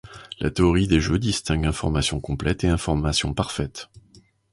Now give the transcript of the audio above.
La théorie des jeux distingue information complète et information parfaite.